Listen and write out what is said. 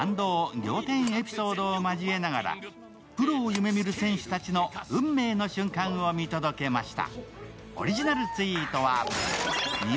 仰天エピソードを交えながらプロを目指す選手たちの運命の瞬間を見届けました。